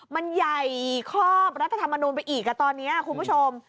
มันใหญ่ครอบรัฐธรรมนูลไปอีกตอนนี้คุณผู้ชม